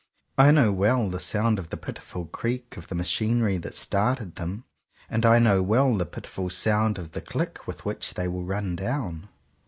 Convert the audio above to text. I know well the sound of the pitiful creak of the machinery that started them, and I know well the pitiful sound of the click with which they will run down.